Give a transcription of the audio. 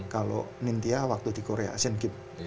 kalau nintia waktu di korea asian games